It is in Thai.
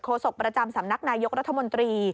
ศกประจำสำนักนายกรัฐมนตรี